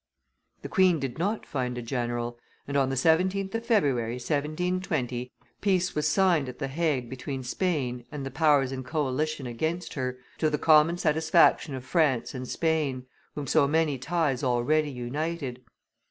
The queen did not find a general; and on the 17th of February, 1720, peace was signed at the Hague between Spain and the powers in coalition against her, to the common satisfaction of France and Spain, whom so many ties already united.